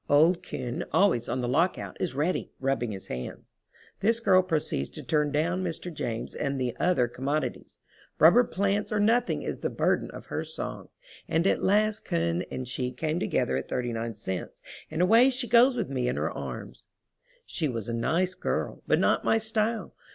Old Koen, always on the lockout, is ready, rubbing his hands. This girl proceeds to turn down Mr. James and the other commodities. Rubber plants or nothing is the burden of her song. And at last Koen and she come together at 39 cents, and away she goes with me in her arms. She was a nice girl, but not my style.